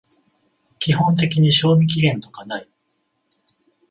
基本的に賞味期限とかない